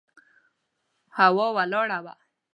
هوا ولاړه وه.